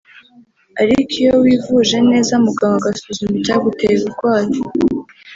ariko iyo wivuje neza muganga agasuzuma icyaguteye uburwayi